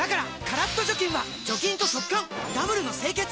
カラッと除菌は除菌と速乾ダブルの清潔！